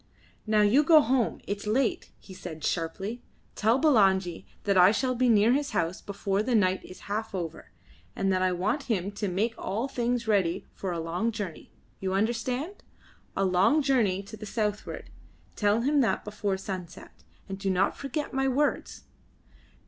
"Now you go home. It is late," he said sharply. "Tell Bulangi that I shall be near his house before the night is half over, and that I want him to make all things ready for a long journey. You understand? A long journey to the southward. Tell him that before sunset, and do not forget my words."